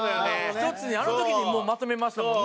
１つにあの時にもうまとめましたもんね。